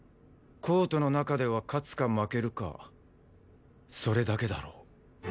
コートの中では勝つか負けるかそれだけだろ。